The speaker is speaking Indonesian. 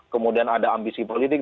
kemudian ada ambisi politik